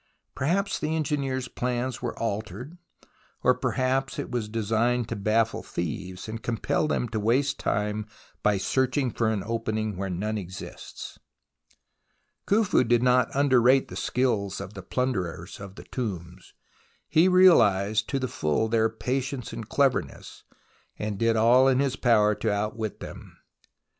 Perhaps the engineers' plans were altered, or perhaps it was designed to baffle thieves, and compel them to waste time by searching for an opening where none exists. Khuf u did not underrate the skill of the plunderers of the tombs. He realized to the full their patience and cleverness, and did all in his power to outwit them.